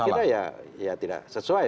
saya kira ya tidak sesuai